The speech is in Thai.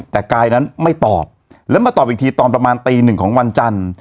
แต่กายนั้นไม่ตอบแล้วมาตอบอีกทีตอนประมาณตีหนึ่งของวันจันทร์